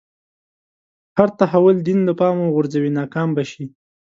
هر تحول دین له پامه وغورځوي ناکام به شي.